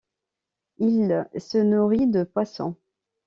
Il se nourrit de poissons.